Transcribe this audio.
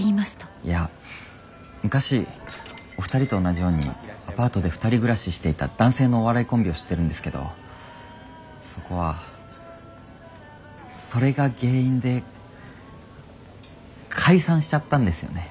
いや昔お二人と同じようにアパートで２人暮らししていた男性のお笑いコンビを知ってるんですけどそこはそれが原因で解散しちゃったんですよねぇ。